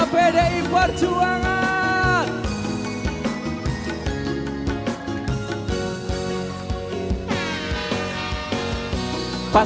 rapat dengan ku jampan